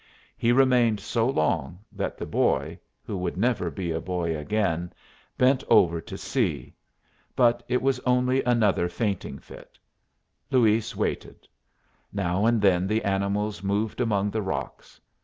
He remained so long that the boy, who would never be a boy again, bent over to see. But it was only another fainting fit. Luis waited; now and then the animals moved among the rocks.